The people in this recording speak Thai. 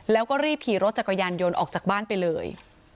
แล้วก็รีบขี่รถจักรยานยนต์ออกจากบ้านไปเลย